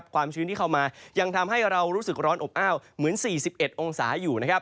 ความชื้นที่เข้ามายังทำให้เรารู้สึกร้อนอบอ้าวเหมือน๔๑องศาอยู่